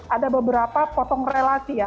ada beberapa potong relasi ya